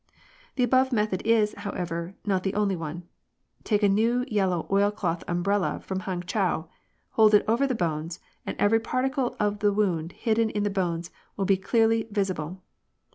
"The above method is, however, not the only one. Take a new yellow oil cloth umbrella from Hangchow, hold it over the bones, and every particle of wound hidden in the bones will be clearly visible.